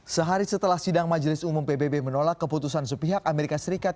sehari setelah sidang majelis umum pbb menolak keputusan sepihak amerika serikat